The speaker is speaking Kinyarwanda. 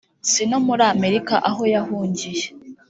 si no muri Amerika aho yahungiye